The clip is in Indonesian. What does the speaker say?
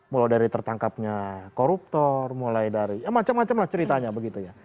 mulai dari tertangkapnya koruptor mulai dari ya macam macam lah ceritanya begitu ya